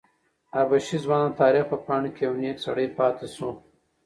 حبشي ځوان د تاریخ په پاڼو کې یو نېک سړی پاتې شو.